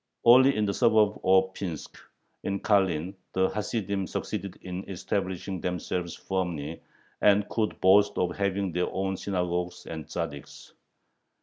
Only in the suburb of Pinsk, in Karlin, the Hasidim succeeded in establishing themselves firmly, and could boast of having their own synagogues and Tzaddiks.